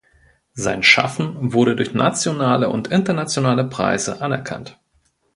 Sein Schaffen wurde durch nationale und internationale Preise anerkannt.